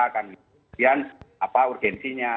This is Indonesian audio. kemudian apa urgensinya